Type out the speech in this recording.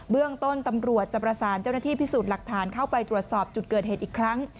เรื่องต้นตำรวจจะประสานเจ้าหน้าที่พิสูจน์หลักฐานเข้าไปตรวจสอบจุดเกิดเหตุอีกครั้ง